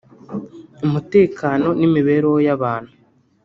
umutekano n’imibereho y’abantu